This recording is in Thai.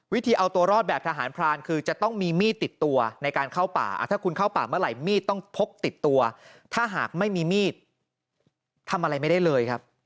วิธีเอาตัวรอดแบบทหารพรานคือจะต้องมีมีดติดตัวในการเข้าป่าถ้าคุณเข้าป่าเมื่อไหร่มีดต้องพกติดตัวถ้าหากไม่มีมีดทำอะไรไม่ได้เลยครับ